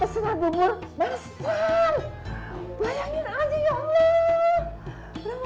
pesan bubur masal bayangin aja ya allah